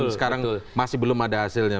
sekarang masih belum ada hasilnya